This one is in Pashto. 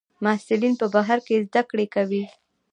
محصلین په بهر کې زده کړې کوي.